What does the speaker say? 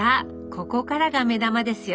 ここからが目玉ですよ。